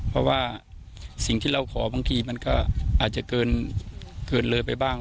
เพราะว่าสิ่งที่เราขอบางทีมันก็อาจจะเกินเลยไปบ้าง